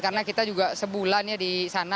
karena kita juga sebulan ya di sana